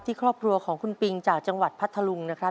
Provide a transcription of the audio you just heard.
ครอบครัวของคุณปิงจากจังหวัดพัทธลุงนะครับ